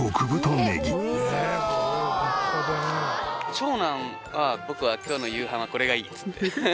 長男は「僕は今日の夕飯はこれがいい！」っつって。ハハハッ。